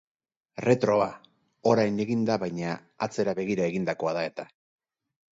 Retroa, orain eginda baina, atzera begira egindakoa da eta.